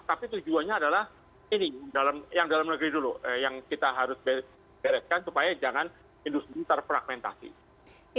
tapi tujuannya adalah ini yang dalam negeri dulu yang kita harus bereskan supaya jangan industri terfragmentasi